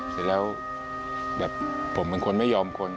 เสร็จแล้วแบบผมเป็นคนไม่ยอมคน